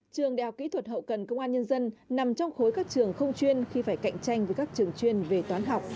trường đại học kỹ thuật hậu cần công an nhân dân nằm trong khối các trường không chuyên khi phải cạnh tranh với các trường chuyên về toán học